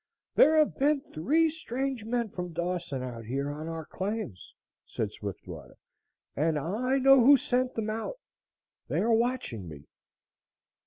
"There have been three strange men from Dawson out here on our claims," said Swiftwater, "and I know who sent them out. They are watching me."